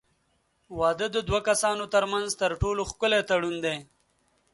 واده د دوو کسانو ترمنځ تر ټولو ښکلی تړون دی.